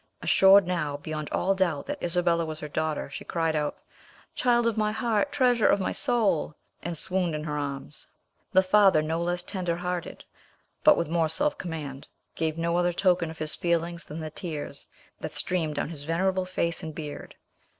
Assured now beyond all doubt that Isabella was her daughter, she cried out, "Child of my heart! treasure of my soul!" and swooned in her arms. The father, no less tender hearted but with more self command, gave no other token of his feelings than the tears that streamed down his venerable face and beard.